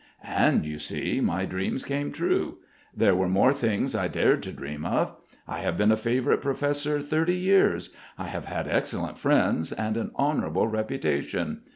And, you see, my dreams came true. There were more things I dared to dream of. I have been a favourite professor thirty years, I have had excellent friends and an honourable reputation.